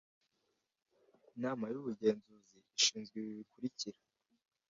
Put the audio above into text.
Inama y ubugenzuzi ishinzwe ibi bikurikira